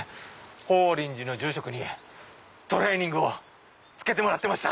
法輪寺の住職にトレーニングをつけてもらってました。